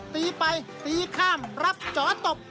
ตีข้ามรับจ๋อตบ